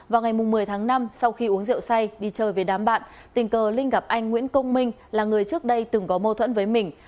vào ngày một mươi tháng năm sau khi uống rượu say đi chơi về đám bạn tình cờ linh gặp anh nguyễn công minh là người trước đây từng có mâu thuẫn với mình